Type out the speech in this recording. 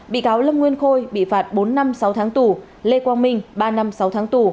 bị cáo lâm nguyên khôi bị phạt bốn năm sáu tháng tù lê quang minh ba năm sáu tháng tù